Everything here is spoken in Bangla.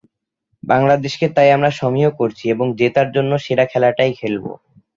বাংলাদেশকে তাই আমরা সমীহ করছি এবং জেতার জন্য সেরা খেলাটাই খেলব।